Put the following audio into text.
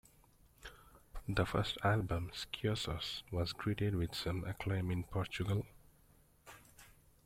Their first album "Esquissos" was greeted with some acclaim in Portugal.